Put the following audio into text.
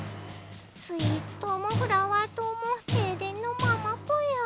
スイーツ島もフラワー島もてい電のままぽよ。